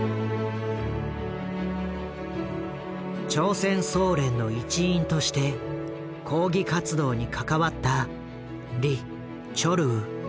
朝鮮総連の一員として抗議活動に関わったリ・チョルウ。